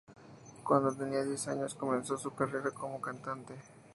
Cuando tenía diez años, comenzó su carrera como cantante.